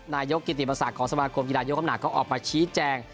นายกิติบังษะของสมาคมยกกำหนักก็ออกมาชี้แจง